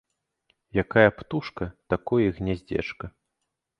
Якая птушка, такое і гняздзечка